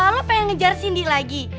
lo pengen ngejar cindy lagi